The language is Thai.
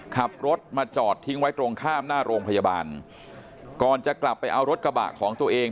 ขับรถมาจอดทิ้งไว้ตรงข้ามหน้าโรงพยาบาลก่อนจะกลับไปเอารถกระบะของตัวเอง